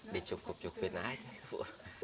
dicukup cukupin aja bu